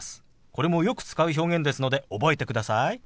これもよく使う表現ですので覚えてください。